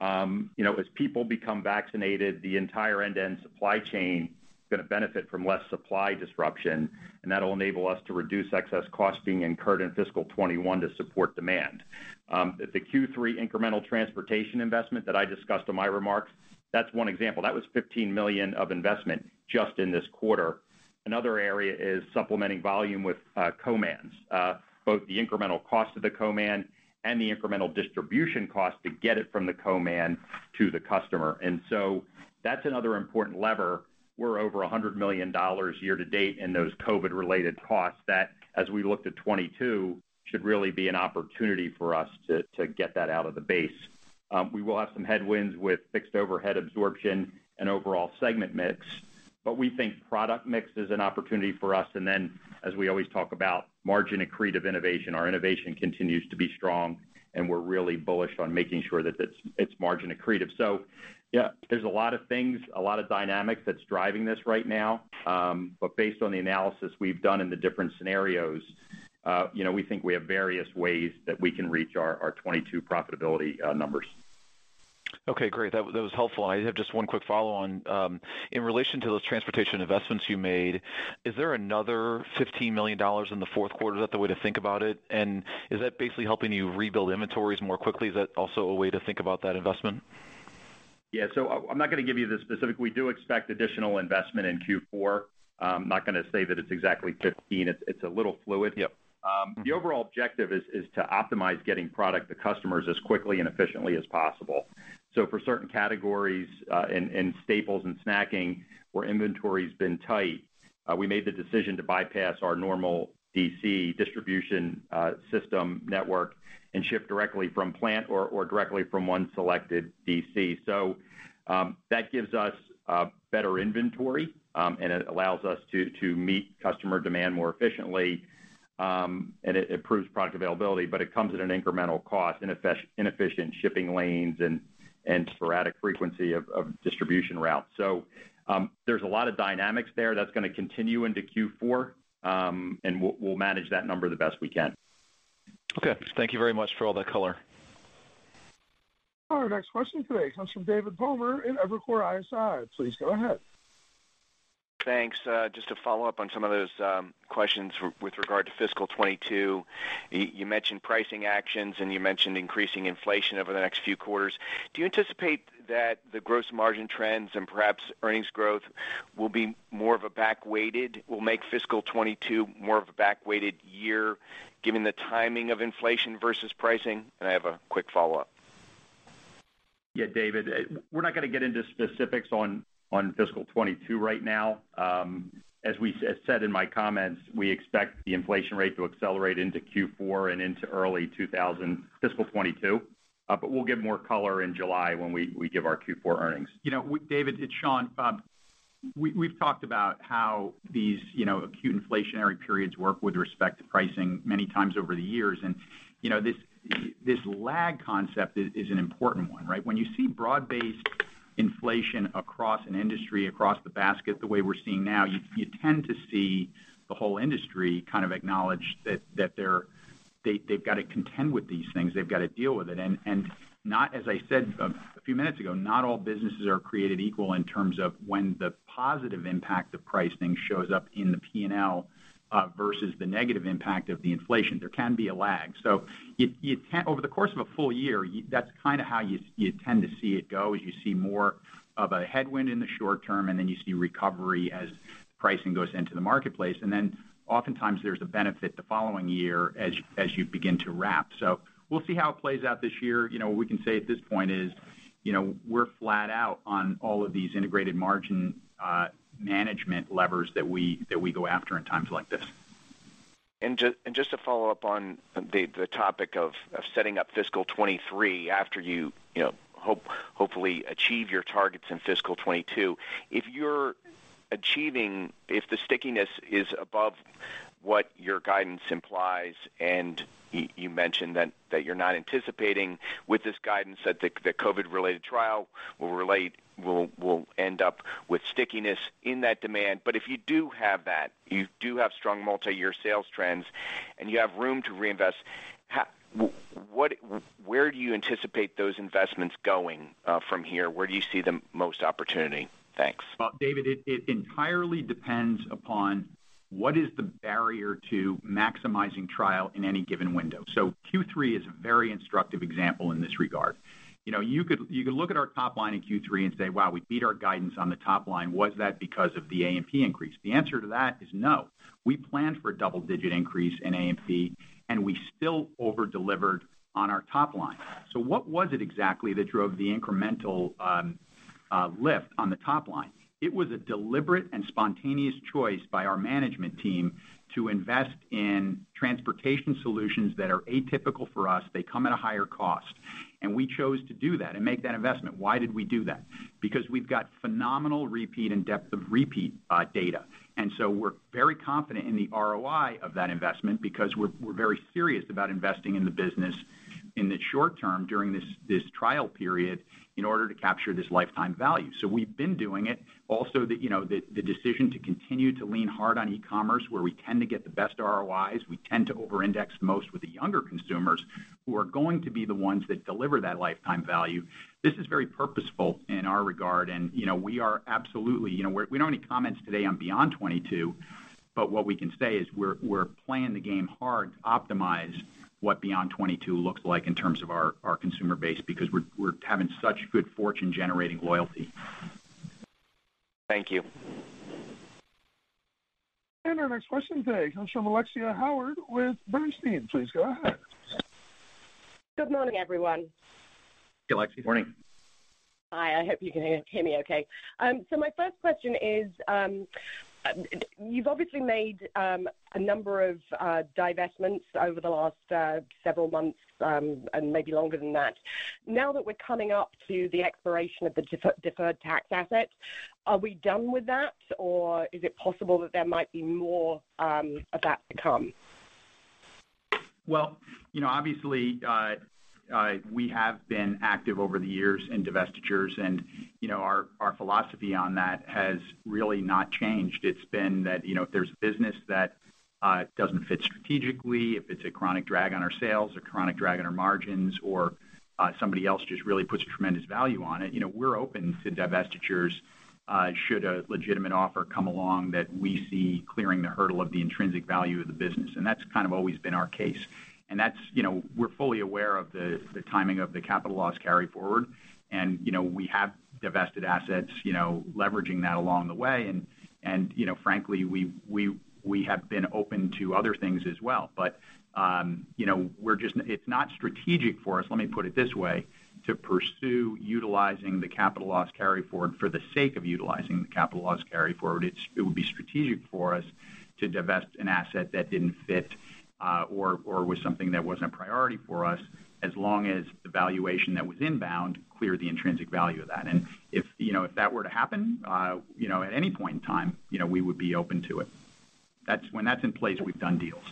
2022. As people become vaccinated, the entire end-to-end supply chain is going to benefit from less supply disruption, and that'll enable us to reduce excess cost being incurred in fiscal 2021 to support demand. The Q3 incremental transportation investment that I discussed in my remarks, that's one example. That was $15 million of investment just in this quarter. Another area is supplementing volume with co-mans, both the incremental cost of the co-man and the incremental distribution cost to get it from the co-man to the customer. That's another important lever. We're over $100 million year to date in those COVID-related costs that, as we look to 2022, should really be an opportunity for us to get that out of the base. We will have some headwinds with fixed overhead absorption and overall segment mix, but we think product mix is an opportunity for us. As we always talk about margin-accretive innovation, our innovation continues to be strong, and we're really bullish on making sure that it's margin accretive. Yeah, there's a lot of things, a lot of dynamics that's driving this right now. Based on the analysis we've done in the different scenarios, we think we have various ways that we can reach our 2022 profitability numbers.
Okay, great. That was helpful. I have just one quick follow-on. In relation to those transportation investments you made, is there another $15 million in the fourth quarter? Is that the way to think about it? Is that basically helping you rebuild inventories more quickly? Is that also a way to think about that investment?
Yeah. I'm not going to give you the specific. We do expect additional investment in Q4. I'm not going to say that it's exactly 15. It's a little fluid.
Yep.
The overall objective is to optimize getting product to customers as quickly and efficiently as possible. For certain categories in staples and snacking where inventory's been tight, we made the decision to bypass our normal DC distribution system network and ship directly from plant or directly from one selected DC. That gives us better inventory, and it allows us to meet customer demand more efficiently, and it improves product availability, but it comes at an incremental cost, inefficient shipping lanes and sporadic frequency of distribution routes. There's a lot of dynamics there that's going to continue into Q4, and we'll manage that number the best we can.
Okay. Thank you very much for all that color.
Our next question today comes from David Palmer in Evercore ISI. Please go ahead.
Thanks. Just to follow up on some of those questions with regard to fiscal 2022, you mentioned pricing actions and you mentioned increasing inflation over the next few quarters. Do you anticipate that the gross margin trends and perhaps earnings growth will be more of a back-weighted, will make fiscal 2022 more of a back-weighted year given the timing of inflation versus pricing? I have a quick follow-up.
Yeah, David, we're not going to get into specifics on fiscal 2022 right now. As I said in my comments, we expect the inflation rate to accelerate into Q4 and into early fiscal 2022. We'll give more color in July when we give our Q4 earnings.
David, it's Sean. We've talked about how these acute inflationary periods work with respect to pricing many times over the years. This lag concept is an important one, right? When you see broad-based inflation across an industry, across the basket, the way we're seeing now, you tend to see the whole industry kind of acknowledge that they've got to contend with these things. They've got to deal with it. As I said a few minutes ago, not all businesses are created equal in terms of when the positive impact of pricing shows up in the P&L versus the negative impact of the inflation. There can be a lag. Over the course of a full year, that's kind of how you tend to see it go, is you see more of a headwind in the short term, you see recovery as pricing goes into the marketplace. Oftentimes there's a benefit the following year as you begin to wrap. We'll see how it plays out this year. What we can say at this point is, we're flat out on all of these integrated margin management levers that we go after in times like this.
Just to follow up on the topic of setting up fiscal 2023 after you hopefully achieve your targets in fiscal 2022. If the stickiness is above what your guidance implies, and you mentioned that you're not anticipating with this guidance that the COVID-19 related trial will end up with stickiness in that demand. If you do have that, you do have strong multi-year sales trends and you have room to reinvest, where do you anticipate those investments going from here? Where do you see the most opportunity? Thanks.
David, it entirely depends upon what is the barrier to maximizing trial in any given window. Q3 is a very instructive example in this regard. You could look at our top line in Q3 and say, "Wow, we beat our guidance on the top line." Was that because of the A&P increase? The answer to that is no. We planned for a double-digit increase in A&P and we still over-delivered on our top line. What was it exactly that drove the incremental lift on the top line? It was a deliberate and spontaneous choice by our management team to invest in transportation solutions that are atypical for us. They come at a higher cost, and we chose to do that and make that investment. Why did we do that? Because we've got phenomenal repeat and depth of repeat data, and so we're very confident in the ROI of that investment because we're very serious about investing in the business in the short term during this trial period in order to capture this lifetime value. We've been doing it. Also, the decision to continue to lean hard on e-commerce, where we tend to get the best ROIs, we tend to over-index most with the younger consumers who are going to be the ones that deliver that lifetime value. This is very purposeful in our regard, and we are absolutely We don't have any comments today on beyond 2022, but what we can say is we're playing the game hard to optimize what beyond 2022 looks like in terms of our consumer base, because we're having such good fortune generating loyalty.
Thank you.
Our next question today comes from Alexia Howard with Bernstein. Please go ahead.
Good morning, everyone.
Hey, Alexia. Morning.
Hi. I hope you can hear me okay. My first question is, you've obviously made a number of divestments over the last several months, and maybe longer than that. Now that we're coming up to the expiration of the deferred tax assets, are we done with that or is it possible that there might be more of that to come?
Obviously, we have been active over the years in divestitures and our philosophy on that has really not changed. It's been that if there's a business that doesn't fit strategically, if it's a chronic drag on our sales or chronic drag on our margins or somebody else just really puts a tremendous value on it, we're open to divestitures should a legitimate offer come along that we see clearing the hurdle of the intrinsic value of the business, and that's kind of always been our case. We're fully aware of the timing of the capital loss carry-forward and we have divested assets, leveraging that along the way. Frankly, we have been open to other things as well. It's not strategic for us, let me put it this way, to pursue utilizing the capital loss carry-forward for the sake of utilizing the capital loss carry-forward. It would be strategic for us to divest an asset that didn't fit or was something that wasn't a priority for us as long as the valuation that was inbound cleared the intrinsic value of that. If that were to happen at any point in time, we would be open to it. When that's in place, we've done deals.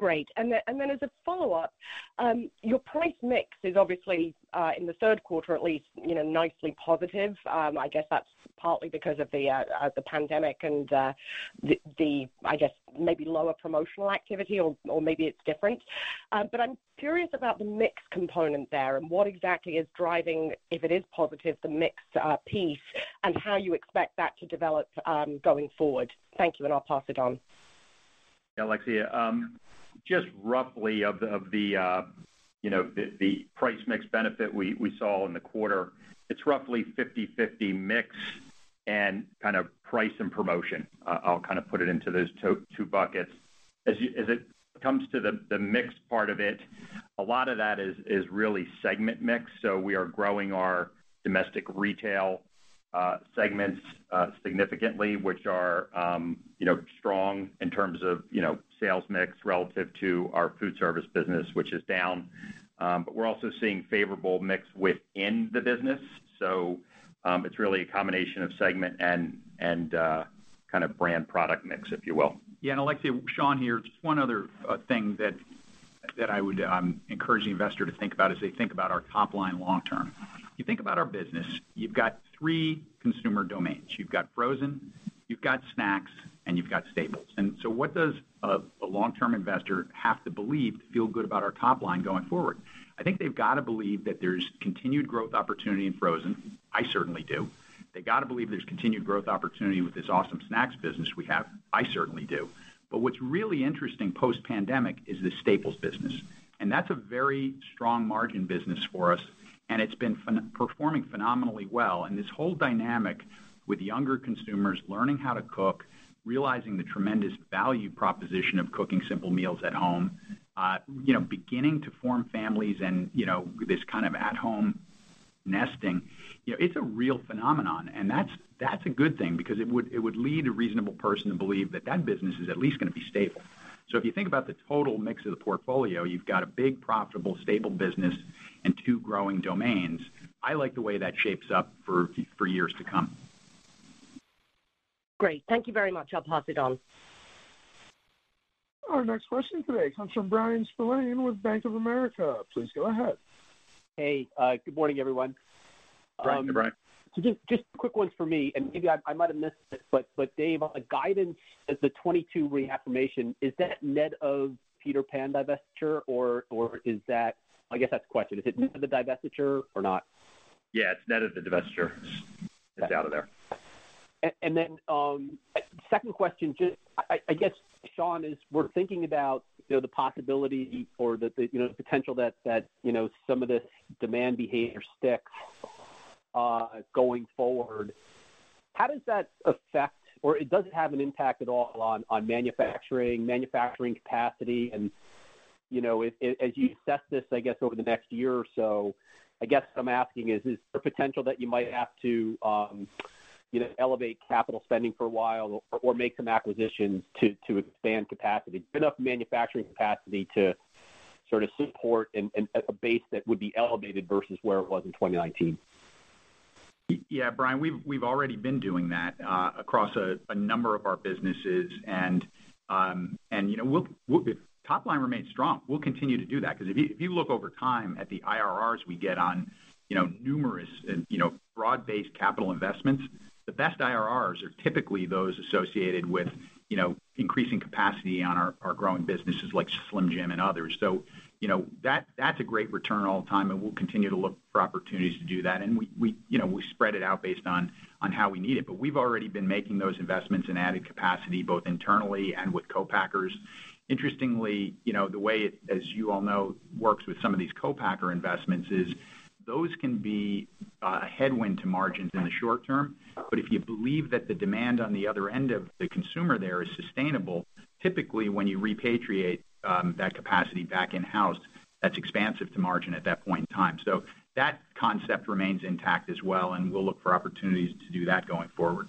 Great. Then as a follow-up, your price mix is obviously, in the third quarter at least, nicely positive. I guess that's partly because of the pandemic and the, I guess, maybe lower promotional activity or maybe it's different. I'm curious about the mix component there and what exactly is driving, if it is positive, the mix piece and how you expect that to develop going forward. Thank you, and I'll pass it on.
Yeah, Alexia. Just roughly of the price mix benefit we saw in the quarter, it's roughly 50/50 mix and kind of price and promotion. I'll kind of put it into those two buckets. As it comes to the mix part of it. A lot of that is really segment mix. We are growing our domestic retail segments significantly, which are strong in terms of sales mix relative to our food service business, which is down. We're also seeing favorable mix within the business. It's really a combination of segment and brand product mix, if you will.
Yeah, Alexia, Sean here. Just one other thing that I would encourage the investor to think about as they think about our top line long term. You think about our business, you've got three consumer domains. You've got frozen, you've got snacks, and you've got staples. What does a long-term investor have to believe to feel good about our top line going forward? I think they've got to believe that there's continued growth opportunity in frozen. I certainly do. They got to believe there's continued growth opportunity with this awesome snacks business we have. I certainly do. What's really interesting post-pandemic is the staples business, and that's a very strong margin business for us and it's been performing phenomenally well. This whole dynamic with younger consumers learning how to cook, realizing the tremendous value proposition of cooking simple meals at home, beginning to form families and this kind of at home nesting, it's a real phenomenon and that's a good thing because it would lead a reasonable person to believe that that business is at least going to be stable. If you think about the total mix of the portfolio, you've got a big, profitable, stable business and two growing domains. I like the way that shapes up for years to come.
Great. Thank you very much. I'll pass it on.
Our next question today comes from Bryan Spillane with Bank of America. Please go ahead.
Hey, good morning everyone.
Good morning, Brian.
Just quick ones for me, and maybe I might have missed it, but Dave, on the guidance as the 2022 reaffirmation, is that net of Peter Pan divestiture? I guess that's the question. Is it net of the divestiture or not?
Yeah, it's net of the divestiture. It's out of there.
Second question, I guess, Sean, as we're thinking about the possibility for the potential that some of this demand behavior sticks going forward, how does that affect, or does it have an impact at all on manufacturing capacity and as you assess this, I guess, over the next year or so, I guess what I'm asking is the potential that you might have to elevate capital spending for a while or make some acquisitions to expand capacity, enough manufacturing capacity to sort of support and at a base that would be elevated versus where it was in 2019?
Yeah, Brian, we've already been doing that across a number of our businesses and if top line remains strong, we'll continue to do that because if you look over time at the IRRs we get on numerous broad-based capital investments, the best IRRs are typically those associated with increasing capacity on our growing businesses like Slim Jim and others. That's a great return all the time and we'll continue to look for opportunities to do that. We spread it out based on how we need it. We've already been making those investments in added capacity, both internally and with co-packers. Interestingly, the way it, as you all know, works with some of these co-packer investments is those can be a headwind to margins in the short term. If you believe that the demand on the other end of the consumer there is sustainable, typically when you repatriate that capacity back in-house, that's expansive to margin at that point in time. That concept remains intact as well, and we'll look for opportunities to do that going forward.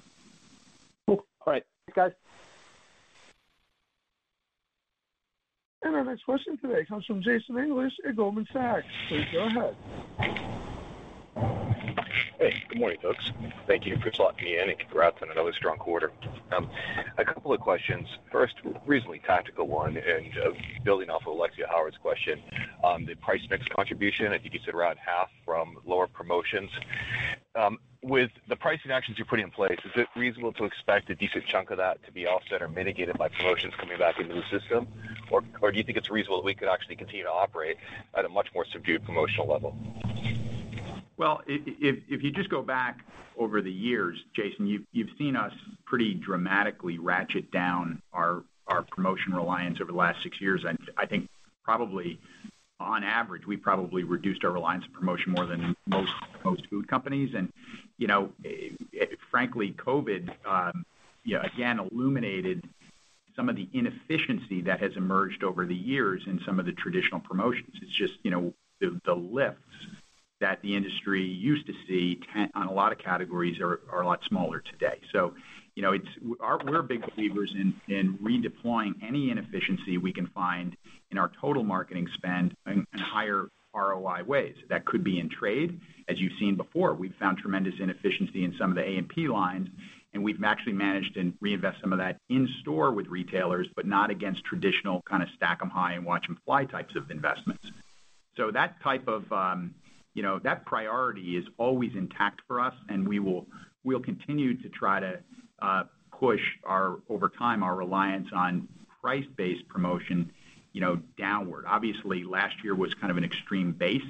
Cool. All right. Thanks, guys.
Our next question today comes from Jason English at Goldman Sachs. Please go ahead.
Hey, good morning, folks. Thank you for talking to me and congrats on another strong quarter. A couple of questions. Reasonably tactical one and building off of Alexia Howard's question on the price mix contribution. I think you said around half from lower promotions. With the pricing actions you're putting in place, is it reasonable to expect a decent chunk of that to be offset or mitigated by promotions coming back into the system? Do you think it's reasonable that we could actually continue to operate at a much more subdued promotional level?
Well, if you just go back over the years, Jason, you've seen us pretty dramatically ratchet down our promotion reliance over the last six years. I think probably on average, we've probably reduced our reliance on promotion more than most food companies. Frankly, COVID, again illuminated some of the inefficiency that has emerged over the years in some of the traditional promotions. It's just the lifts that the industry used to see on a lot of categories are a lot smaller today. We're big believers in redeploying any inefficiency we can find in our total marketing spend in higher ROI ways. That could be in trade. As you've seen before, we've found tremendous inefficiency in some of the A&P lines, and we've actually managed to reinvest some of that in-store with retailers, but not against traditional kind of stack them high and watch them fly types of investments. That priority is always intact for us, and we'll continue to try to push over time our reliance on price-based promotion downward. Obviously, last year was kind of an extreme base,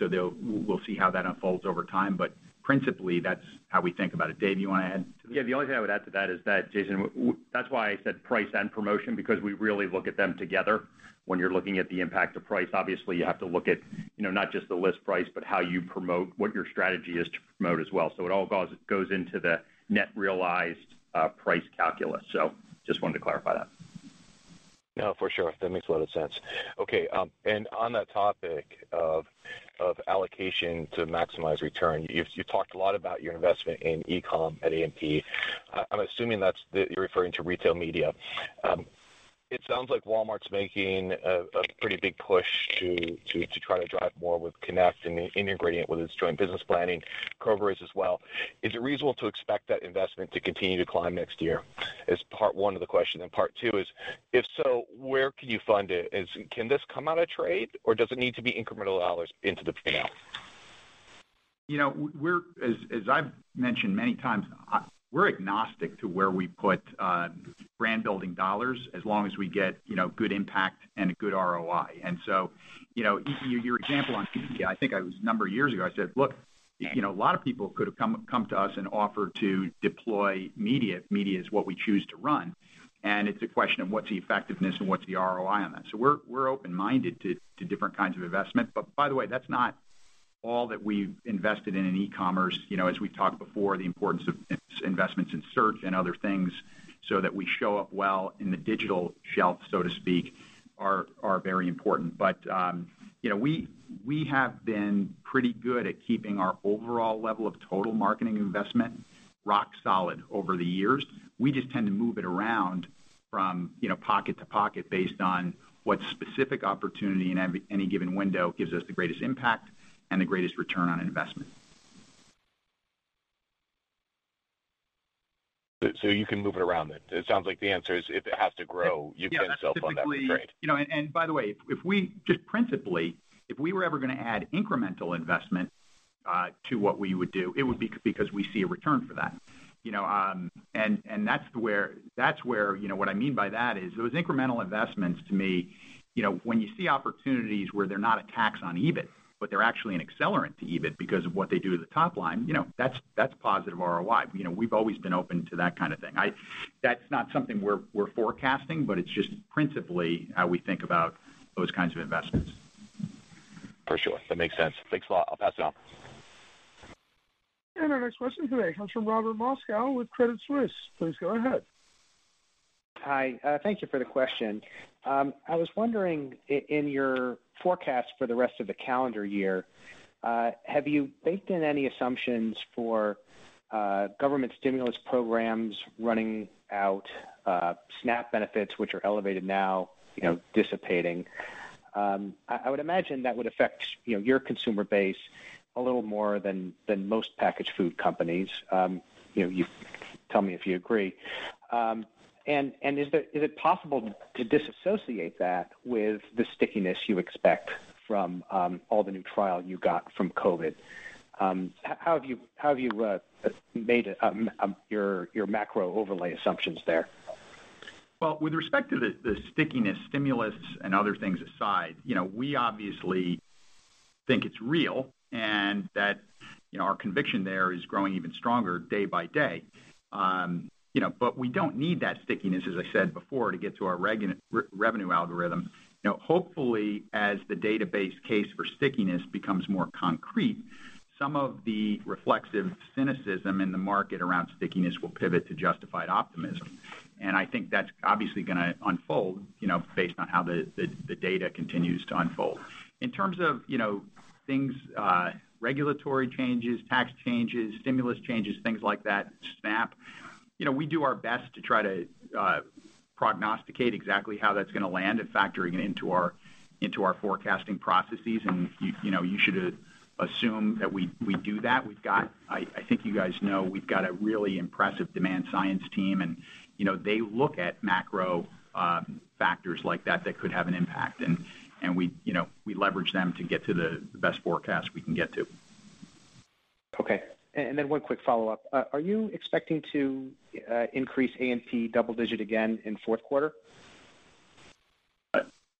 we'll see how that unfolds over time. Principally, that's how we think about it. Dave, you want to add to that?
Yeah, the only thing I would add to that is that, Jason, that's why I said price and promotion, because we really look at them together. When you're looking at the impact of price, obviously, you have to look at not just the list price, but how you promote, what your strategy is to promote as well. It all goes into the net realized price calculus. Just wanted to clarify that.
No, for sure. That makes a lot of sense. On that topic of allocation to maximize return, you talked a lot about your investment in e-com at A&P. I'm assuming that you're referring to retail media. It sounds like Walmart's making a pretty big push to try to drive more with Connect and integrating it with its joint business planning. Kroger is as well. Is it reasonable to expect that investment to continue to climb next year? Is part one of the question, and part two is, if so, where can you fund it? Can this come out of trade, or does it need to be incremental dollars into the P&L?
As I've mentioned many times, we're agnostic to where we put brand-building dollars as long as we get good impact and a good ROI. Your example on A&P, I think a number of years ago, I said, "Look, a lot of people could have come to us and offered to deploy media if media is what we choose to run." It's a question of what's the effectiveness and what's the ROI on that. We're open-minded to different kinds of investment. By the way, that's not all that we've invested in e-commerce. As we talked before, the importance of investments in search and other things so that we show up well in the digital shelf, so to speak, are very important. We have been pretty good at keeping our overall level of total marketing investment rock solid over the years. We just tend to move it around from pocket to pocket based on what specific opportunity in any given window gives us the greatest impact and the greatest return on investment.
You can move it around then. It sounds like the answer is if it has to grow, you've been sell on that trade.
By the way, just principally, if we were ever going to add incremental investment to what we would do, it would be because we see a return for that. What I mean by that is those incremental investments to me, when you see opportunities where they're not a tax on EBIT, but they're actually an accelerant to EBIT because of what they do to the top line, that's positive ROI. We've always been open to that kind of thing. That's not something we're forecasting, but it's just principally how we think about those kinds of investments.
For sure. That makes sense. Thanks a lot. I'll pass it on.
Our next question today comes from Robert Moskow with Credit Suisse. Please go ahead.
Hi. Thank you for the question. I was wondering, in your forecast for the rest of the calendar year, have you baked in any assumptions for government stimulus programs running out, SNAP benefits, which are elevated now, dissipating? I would imagine that would affect your consumer base a little more than most packaged food companies. Tell me if you agree. Is it possible to disassociate that with the stickiness you expect from all the new trial you got from COVID? How have you made your macro overlay assumptions there?
With respect to the stickiness, stimulus and other things aside, we obviously think it's real, and that our conviction there is growing even stronger day by day. We don't need that stickiness, as I said before, to get to our revenue algorithm. Hopefully, as the database case for stickiness becomes more concrete, some of the reflexive cynicism in the market around stickiness will pivot to justified optimism, and I think that's obviously going to unfold, based on how the data continues to unfold. In terms of things, regulatory changes, tax changes, stimulus changes, things like that, SNAP, we do our best to try to prognosticate exactly how that's going to land and factoring it into our forecasting processes, and you should assume that we do that. I think you guys know we've got a really impressive demand science team. They look at macro factors like that that could have an impact. We leverage them to get to the best forecast we can get to.
Okay. One quick follow-up. Are you expecting to increase A&P double-digit again in fourth quarter?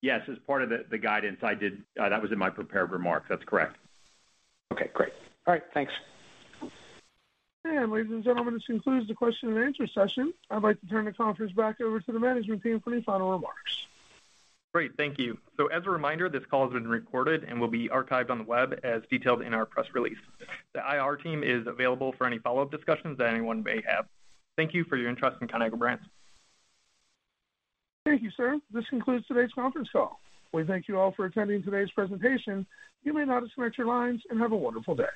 Yes, as part of the guidance, that was in my prepared remarks. That's correct.
Okay, great. All right, thanks.
Ladies and gentlemen, this concludes the question and answer session. I'd like to turn the conference back over to the management team for any final remarks.
Great. Thank you. As a reminder, this call has been recorded and will be archived on the web as detailed in our press release. The IR team is available for any follow-up discussions that anyone may have. Thank you for your interest in Conagra Brands.
Thank you, sir. This concludes today's conference call. We thank you all for attending today's presentation. You may now disconnect your lines, and have a wonderful day.